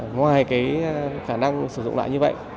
ngoài cái khả năng sử dụng lại như vậy